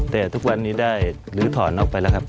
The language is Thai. แต่ทุกวันนี้ได้ลื้อถอนออกไปแล้วครับ